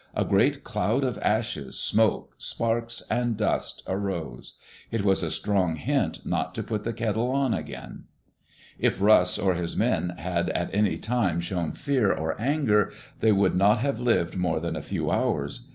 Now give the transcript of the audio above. A great cloud of ashes, smoke, sparks, and dust arose. It was a strong hint not to put the kettle on again. If Ross or his men had at any time shown fear or anger they would not have lived more than a few hours.